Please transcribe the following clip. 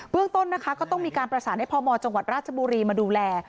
ต้นนะคะก็ต้องมีการประสานให้พมจังหวัดราชบุรีมาดูแล